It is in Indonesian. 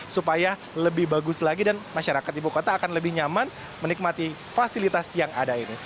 supaya lebih bagus lagi dan masyarakat ibu kota akan lebih nyaman menikmati fasilitas yang ada ini